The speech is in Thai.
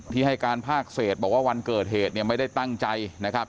ให้การภาคเศษบอกว่าวันเกิดเหตุเนี่ยไม่ได้ตั้งใจนะครับ